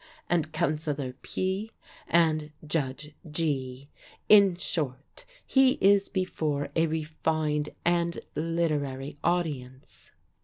and Counsellor P., and Judge G. In short, he is before a refined and literary audience.